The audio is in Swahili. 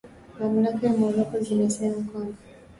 Mamlaka za Morocco zimesema kwamba